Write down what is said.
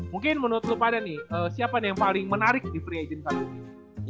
mungkin menurut lupa anda nih siapa nih yang paling menarik di free agent saat ini